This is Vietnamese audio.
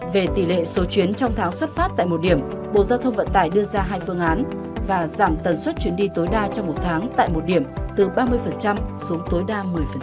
về tỷ lệ số chuyến trong tháng xuất phát tại một điểm bộ giao thông vận tải đưa ra hai phương án và giảm tần suất chuyến đi tối đa trong một tháng tại một điểm từ ba mươi xuống tối đa một mươi